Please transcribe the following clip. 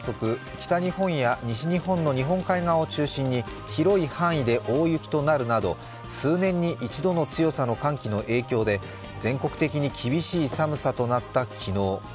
北日本や西日本の日本海側を中心に広い範囲で大雪となるなど、数年に一度の強さの寒気の影響で、全国的に厳しい寒さとなった昨日。